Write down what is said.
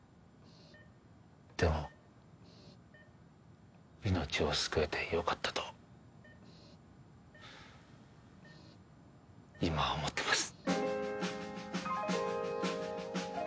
でも命を救えて良かったと今は思ってます